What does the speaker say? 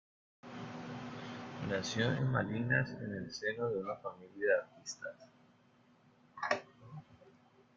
Nació en Malinas en el seno de una familia de artistas.